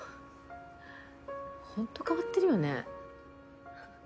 ほんと変わってるよね。